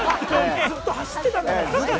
ずっと走ってたんだから。